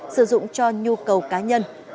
sử dụng cho nhu cầu cá nhân